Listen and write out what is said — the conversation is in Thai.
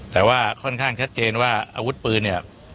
แต่ว่าค่อนข้างชัดเจนว่าอาวุธปืนเนี่ย